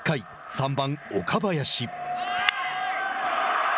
３番岡林。